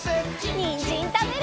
にんじんたべるよ！